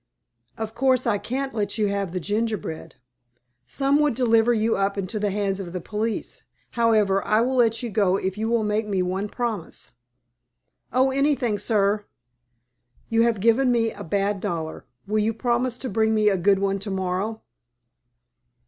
"Of course, I can't let you have the gingerbread. Some would deliver you up into the hands of the police. However, I will let you go if you will make me one promise." "Oh, anything, sir." "You have given me a bad dollar. Will you promise to bring me a good one to morrow?"